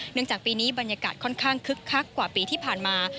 จากปีนี้บรรยากาศค่อนข้างคึกคักกว่าปีที่ผ่านมา